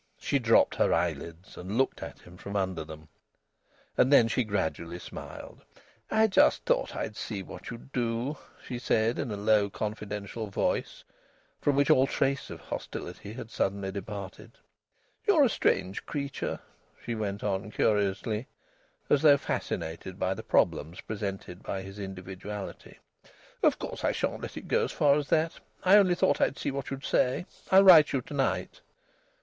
She dropped her eyelids and looked at him from under them. And then she gradually smiled. "I thought I'd just see what you'd do," she said, in a low, confidential voice from which all trace of hostility had suddenly departed. "You're a strange creature," she went on curiously, as though fascinated by the problems presented by his individuality. "Of course, I shan't let it go as far as that. I only thought I'd see what you'd say. I'll write you to night."